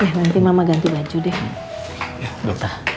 eh nanti mama ganti baju deh